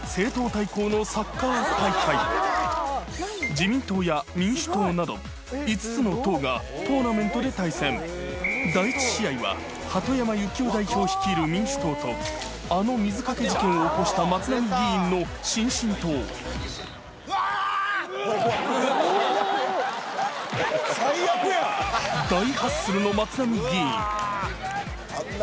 自民党や民主党など５つの党がトーナメントで対戦第１試合は鳩山由紀夫代表率いる民主党とあの水かけ事件を起こした松浪議員の新進党最悪や。の松浪議員あんな